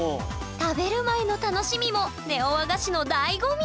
食べる前の楽しみもネオ和菓子のだいご味！